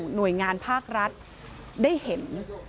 หน่วยงานภาครัฐได้เห็น